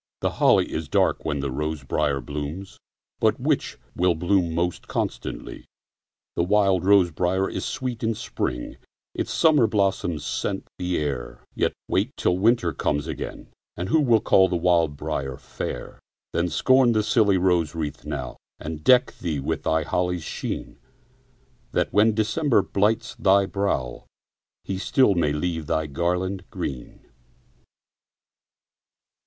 The holly is dark when the rose briar blooms, But which will bloom most constantly? The wild rose briar is sweet in spring, Its summer blossoms scent the air; Yet wait till winter comes again, And who will call the wild briar fair? Then, scorn the silly rose wreath now, And deck thee with the holly's sheen, That, when December blights thy brow, He still may leave thy garland green.